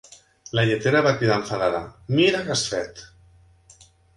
La lletera va cridar enfadada: "mira què has fet!"